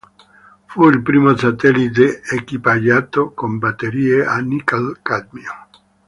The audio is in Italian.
Fu il primo satellite equipaggiato con batterie al nichel-cadmio.